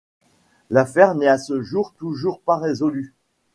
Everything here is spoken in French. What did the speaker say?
L'affaire n'est à ce jour toujours pas résolue.